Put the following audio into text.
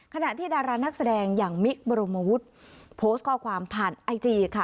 ขณะที่ดารานักแสดงอย่างมิคบรมวุฒิโพสต์ข้อความผ่านไอจีค่ะ